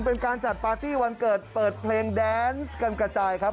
เป็นการจัดปาร์ตี้วันเกิดเปิดเพลงแดนซ์กันกระจายครับ